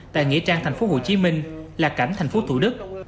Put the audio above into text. tại nghĩa trang tp hcm là cảnh tp thủ đức